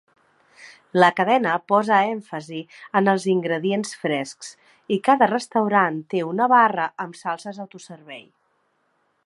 La cadena posa èmfasi en els ingredients frescs, i cada restaurant té un barra amb salses autoservei.